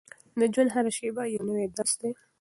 د ژوند هره شېبه یو نوی درس دی.